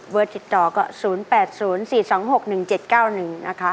ติดต่อก็๐๘๐๔๒๖๑๗๙๑นะคะ